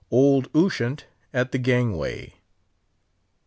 OLD USHANT AT THE GANGWAY.